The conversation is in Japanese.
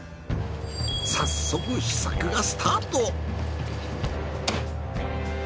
早速試作がスタート。